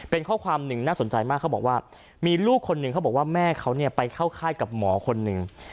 เป็นข้อความหนึ่งน่าสนใจมากเขาบอกว่ามีลูกคนหนึ่งเขาบอกว่าแม่เขาเนี่ยไปเข้าค่ายกับหมอคนหนึ่ง